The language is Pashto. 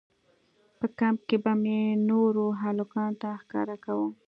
په کمپ کښې به مې نورو هلکانو ته ښکاره کاوه.